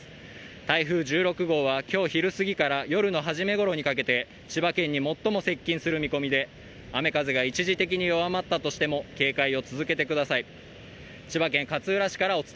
台風１６号は今日昼過ぎから夜の始めごろにかけて千葉県に最も接近する見込みで雨風が一時的に弱まったとしても警戒を続けてください。